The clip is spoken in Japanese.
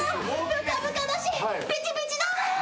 ブカブカだしピチピチだ！